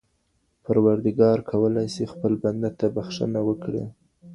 پروردګار کولای سي خپل بنده ته بخښنه وکړي.